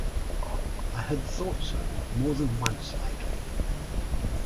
I had thought so more than once lately.